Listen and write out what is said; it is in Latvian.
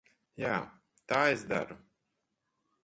Jā, tā es daru.